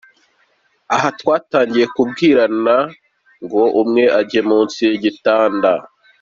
Aha batangiye kubwirana ngo umwe ajye munsi y’igitanda.